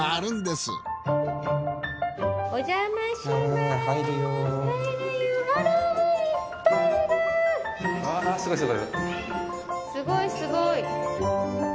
すごいすごい。